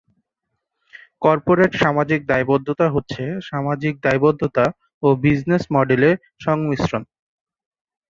Corporate সামাজিক দায়বদ্ধতা হচ্ছে সামাজিক দায়বদ্ধতা ও বিজনেস মডেলের সংমিশ্রণ।